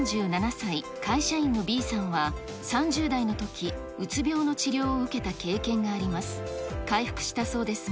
４７歳、会社員のＢさんは、３０代のとき、うつ病の治療を受けた経験があります。